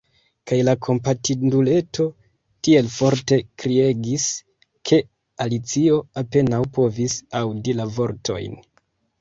Kaj la kompatinduleto tiel forte kriegis ke Alicio apenaŭ povis aŭdi la vortojn.